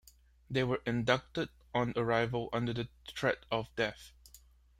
They were inducted on arrival under the threat of death.